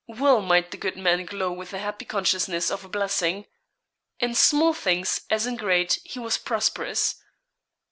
Well might the good man glow with a happy consciousness of a blessing. In small things as in great he was prosperous.